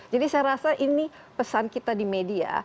jadi saya rasa ini pesan kita di media